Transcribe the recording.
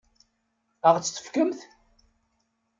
Ad ɣ-tt-tefkemt?